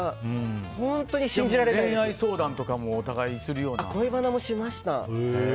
恋愛相談とかも恋バナもしました。